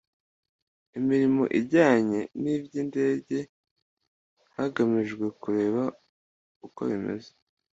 imirimo ijyanye n iby indege hagamijwe kureba uko bimeze